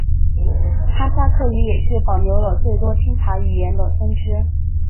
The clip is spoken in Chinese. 哈萨克语也是保留了最多钦察语言的分支。